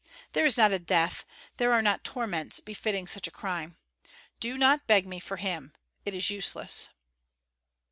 There is not a death, there are not torments befitting such a crime. Do not beg me for him; it is useless."